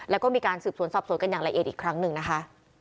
แล้วก็มีการสืบสวนสอบสวนกันอย่างละเอียดอีกครั้งหนึ่งนะคะ